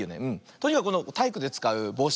とにかくこのたいいくでつかうぼうし